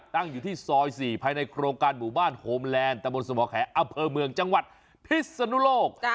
ตั้งอยู่ที่ซอย๔ภายในโครงการหมู่บ้านโฮมแลนด์ตะบนสมแขอำเภอเมืองจังหวัดพิศนุโลก